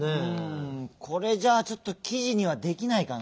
これじゃあちょっときじにはできないかな。